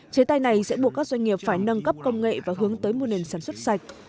chế tài này sẽ buộc các doanh nghiệp phải nâng cấp công nghệ và hướng tới một nền sản xuất sạch